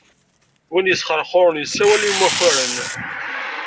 Win isxeṛxuṛen, yessawal i imakaren.